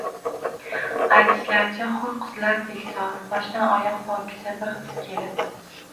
— Аytishlaricha, hur qizlardek sof, boshdan-oyoq pokiza bir qiz kelib